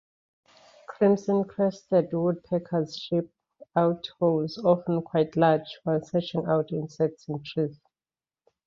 Crimson-crested woodpeckers chip out holes, often quite large, while searching out insects in trees.